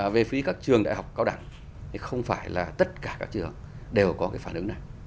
về phía các trường đại học cao đẳng thì không phải là tất cả các trường đều có cái phản ứng này